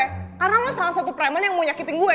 karena lo salah satu preman yang mau nyakitin gue